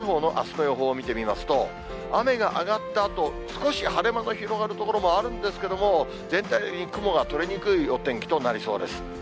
関東地方のあすの予報を見てみますと、雨が上がったあと、少し晴れ間の広がる所もあるんですけれども、全体に雲が取れにくいお天気となりそうです。